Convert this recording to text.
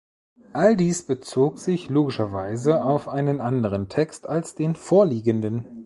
All dies bezog sich logischerweise auf einen anderen Text als den vorliegenden.